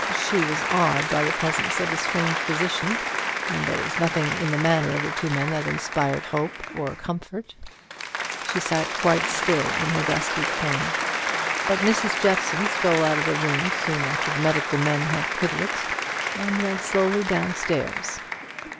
She was awed by the presence of the strange physician, and there was nothing in the manner of the two men that inspired hope or comfort. She sat quite still in her dusky corner; but Mrs. Jeffson stole out of the room soon after the medical men had quitted it, and went slowly down stairs.